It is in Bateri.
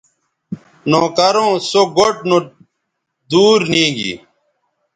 نوکروں سو گوٹھ نودور نیگی